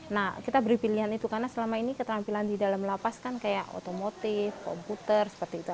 nah kita beri pilihan itu karena selama ini keterampilan di dalam lapas kan kayak otomotif komputer seperti itu